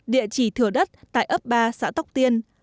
địa chỉ thừa đất tại ấp ba xã tóc tiên